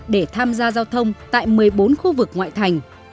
để tham gia giao thông tại một mươi bốn khu vực ngoại thành